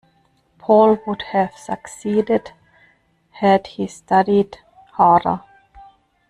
Paul would have succeeded had he studied harder.